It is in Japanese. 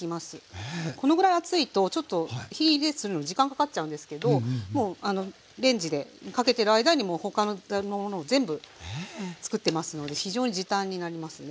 このぐらい厚いとちょっと火入れするのに時間かかっちゃうんですけどもうレンジでかけてる間に他の炒め物も全部つくってますので非常に時短になりますね。